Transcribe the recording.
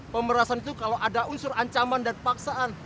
pemerasan itu kalau ada unsur ancaman dan paksaan